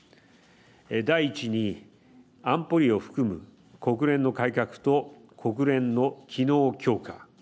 第一に、安保理を含む国連の改革と国連の機能強化。